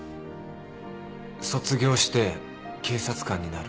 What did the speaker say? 卒業して警察官になる。